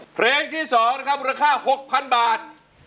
เพลงที่๒บริคา๖๐๐๐บาท